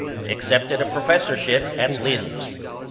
Accepted a professorship at Linz.